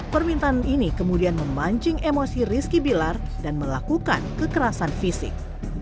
permintaan ini kemudian memancing emosi rizky bilar dan melakukan kekerasan fisik